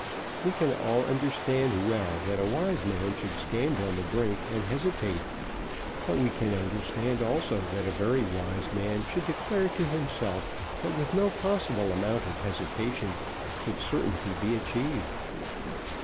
We can all understand well that a wise man should stand on the brink and hesitate; but we can understand also that a very wise man should declare to himself that with no possible amount of hesitation could certainty be achieved.